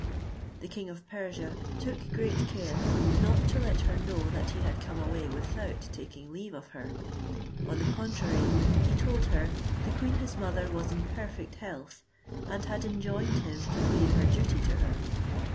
The king of Persia took great care not to let her know that he had come away with out taking leave of her; on the contrary he told her, the queen his mother was in perfect health, and had enjoined him to pay her duty to her.